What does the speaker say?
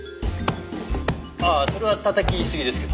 ああそれはたたきすぎですけど。